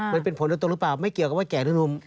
มันเป็นผลโดยตรงหรือเปล่าไม่เกี่ยวกับว่าแก่นุน